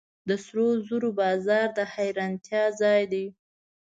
د سرو زرو بازار د حیرانتیا ځای دی.